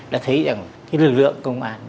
đã thấy rằng lực lượng công an